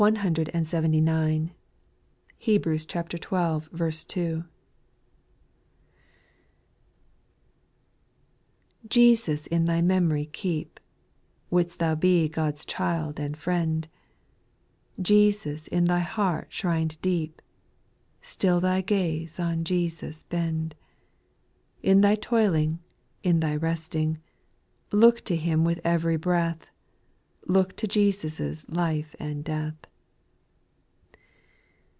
1 79. Hebrews xii. 2. 1. TESUS in thy memory keep, V Would'st thou be God's child and friend*' Jesus in thy heart shrin'd deep, Still thy gaze on Jesus bend. In thy toiling, in thy resting, Look to Him with every breath. Look to Jesus' life and death.